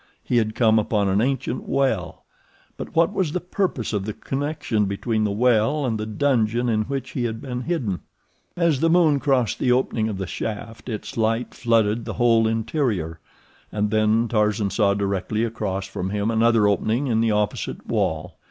He had come upon an ancient well—but what was the purpose of the connection between the well and the dungeon in which he had been hidden? As the moon crossed the opening of the shaft its light flooded the whole interior, and then Tarzan saw directly across from him another opening in the opposite wall.